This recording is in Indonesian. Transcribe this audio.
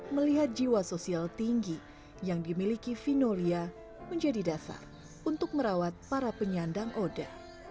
melihat jiwa sosial tinggi yang dimiliki vinolia menjadi dasar untuk merawat para penyandang oda